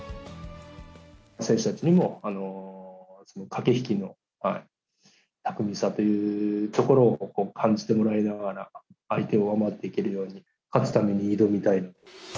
選手たちにも、駆け引きの巧みさというところを感じてもらいながら、相手を上回っていけるように、勝つために挑みたい。